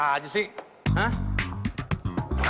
jangan buat diri kamu atau bryan